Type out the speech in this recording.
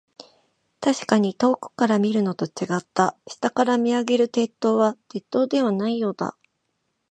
確かに遠くから見るのと、違った。下から見上げる鉄塔は、鉄塔ではないようだ。